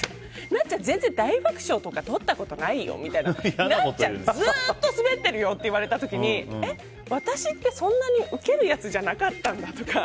なっちゃん、全然大爆笑とか取ったことないよずっとスベっているよって言われた時に私ってそんなにウケるやつじゃなかったんだとか。